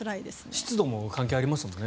湿度も関係ありますもんね